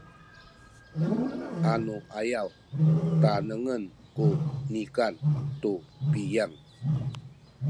anuayaw tanengen ku nikan tu piyang